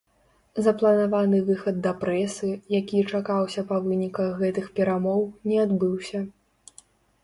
Запланаваны выхад да прэсы, які чакаўся па выніках гэтых перамоў, не адбыўся.